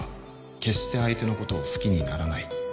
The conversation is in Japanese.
決して相手のことを好きにならない